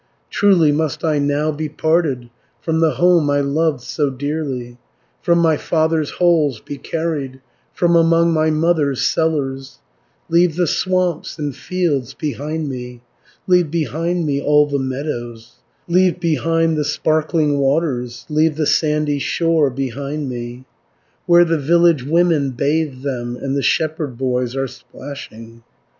"Truly must I now be parted From the home I loved so dearly, From my father's halls be carried, From among my mother's cellars, Leave the swamps and fields behind me, Leave behind me all the meadows, Leave behind the sparkling waters, Leave the sandy shore behind me, 370 Where the village women bathe them, And the shepherd boys are splashing.